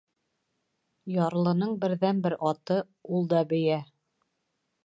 Ярлының берҙән-бер аты, ул да бейә.